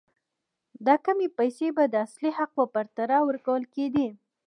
دا کمې پیسې به د اصلي حق په پرتله ورکول کېدې.